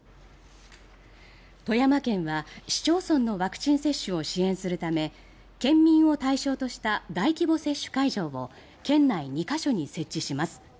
富山県は市町村のワクチン接種を支援するため県民を対象とした大規模接種会場を県内２か所に設置します。